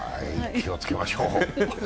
気をつけましょう。